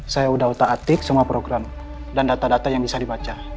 saya sudah utak atik semua program dan data data yang bisa dibaca